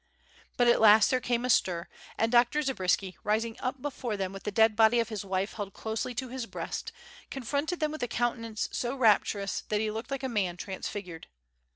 But at last there came a stir, and Dr. Zabriskie, rising up before them with the dead body of his wife held closely to his breast, confronted them with a countenance so rapturous that he looked like a man transfigured.